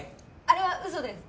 あれは嘘です！